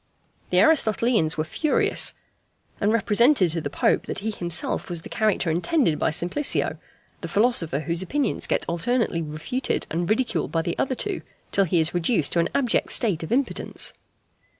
The Aristotelians were furious, and represented to the Pope that he himself was the character intended by Simplicio, the philosopher whose opinions get alternately refuted and ridiculed by the other two, till he is reduced to an abject state of impotence.